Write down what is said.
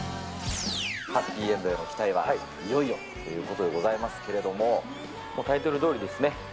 ハッピーエンドへの期待は、いよいよということでございますタイトルどおりですね。